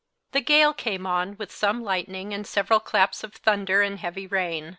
The gale came on with some lightning and several claps of thunder and heavy rain.